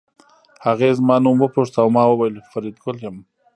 هغې زما نوم وپوښت او ما وویل فریدګل یم